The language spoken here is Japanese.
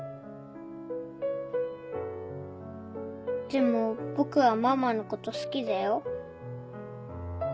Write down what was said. でも僕はママのこと好きだよ。